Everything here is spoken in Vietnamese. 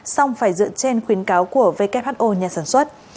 xong phải dựa trên khuyến cáo của who nhà sản xuất